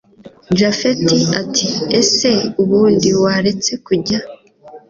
japhet ati ese ubundi waretse kujya